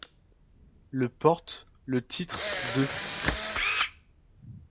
Le ' porte le titre de '.